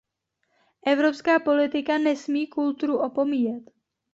Evropská politika nesmí kulturu opomíjet.